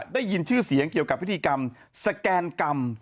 ได้ยินชื่อเสียงเกี่ยวกับพิธีกรรมสแกนกรรม